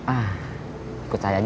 ah ikut saya yuk